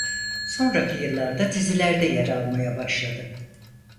Sonraki yıllarda dizilerde yer almaya başladı.